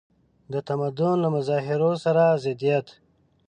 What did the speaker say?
د تمدن له مظاهرو سره ضدیت.